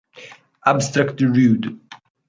Abstract Rude